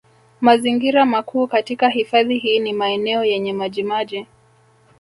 Mazingira makuu katika hifadhi hii ni maeneo yenye maji maji